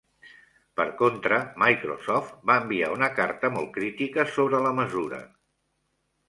Per contra, Microsoft va enviar una carta molt crítica sobre la mesura.